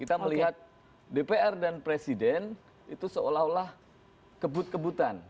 kita melihat dpr dan presiden itu seolah olah kebut kebutan